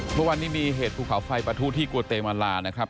เมื่อวานนี้มีเหตุภูเขาไฟปะทุที่กัวเตมาลานะครับ